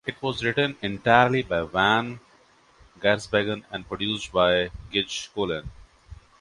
It was written entirely by van Giersbergen and produced by Gijs Coolen.